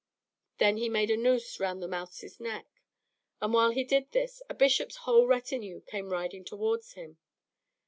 Then he made a noose round the mouse's neck, and while he did this, a bishop's whole retinue came riding towards him.